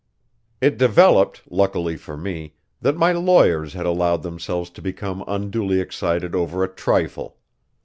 It developed, luckily for me, that my lawyers had allowed themselves to become unduly excited over a trifle.